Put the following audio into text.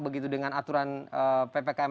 begitu dengan aturan ppkm